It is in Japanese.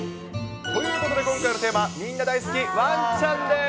ということで、今回のテーマ、みんな大好き、ワンちゃんです。